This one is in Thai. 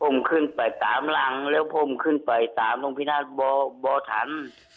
ผมขึ้นไปตามหลังแล้วผมขึ้นไปตามลุงพินาศบอทัน